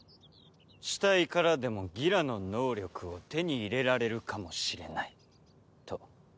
「死体からでもギラの能力を手に入れられるかもしれない」と。